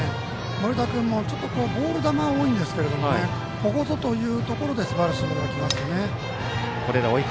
盛田君もボール球多いですけどここぞというところですばらしいボールがきますね。